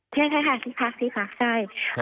ใช่ค่ะใช่ค่ะซีฟาร์คซีฟาร์คใช่